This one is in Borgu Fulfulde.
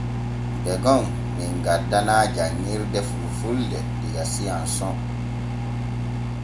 Degon men gaddanaa janŋirde fulfulde diga S'ANSON.